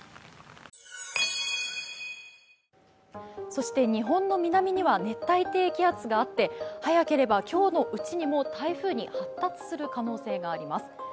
そして日本の南には熱帯低気圧があって早ければ今日のうちにも台風に発達する可能性があります。